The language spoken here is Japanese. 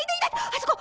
あそこ！